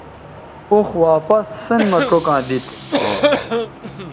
اوخ واپس سین مہ چوکاں دیتھ